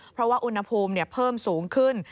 เพราะว่าอุณหภูมิเพิ่มสูงขึ้น